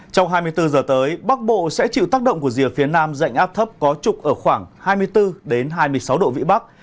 trong hai mươi bốn giờ tới bắc bộ sẽ chịu tác động của rìa phía nam dạnh áp thấp có trục ở khoảng hai mươi bốn hai mươi sáu độ vĩ bắc